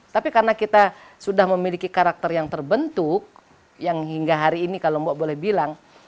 tapi karena kita sudah memiliki karakter yang terbentuk yang hingga hari ini kalau mbak boleh bilang